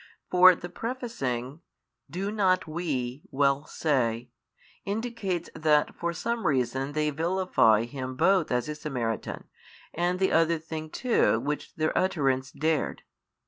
For the prefacing, Do not WE well say, indicates that for some reason they vilify Him both as a Samaritan, and the other thing too which their utterance dared.